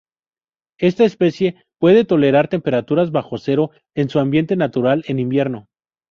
Esta especie puede tolerar temperaturas bajo cero en su ambiente natural en invierno.